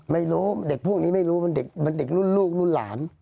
ไม่รู้เด็กพวกนี้ไม่รู้มันเด็กมันเด็กรุ่นลูกรุ่นหลาน